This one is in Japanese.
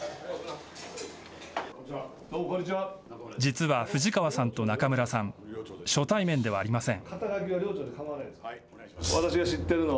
実は、藤川さんと中村さん初対面ではありません。